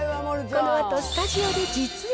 このあとスタジオで実演。